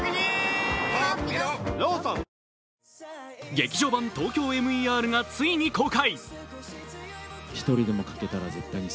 「劇場版ＴＯＫＹＯＭＥＲ」がついに公開。